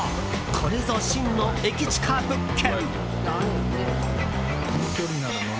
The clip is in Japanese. これぞ真の駅近物件。